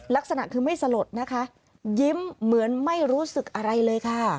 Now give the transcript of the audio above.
ลักษณะคือไม่สลดนะคะยิ้มเหมือนไม่รู้สึกอะไรเลยค่ะ